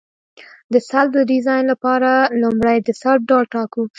د سلب د ډیزاین لپاره لومړی د سلب ډول ټاکو